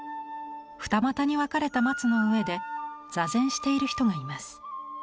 二股に分かれた松の上で坐禅している人がいます。